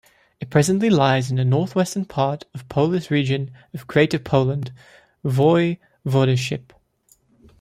It presently lies in the north-western part of Polish region of Greater Poland Voivodeship.